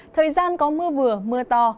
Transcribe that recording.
thời gian có mưa vừa mưa to